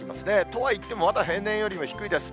とはいっても、まだ平年よりも低いです。